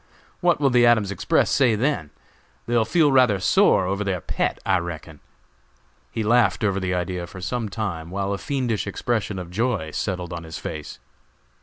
what will the Adams Express say then? They will feel rather sore over their pet, I reckon." He laughed over the idea for some time, while a fiendish expression of joy settled on his face.